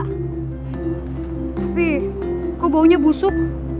tapi kok baunya busuk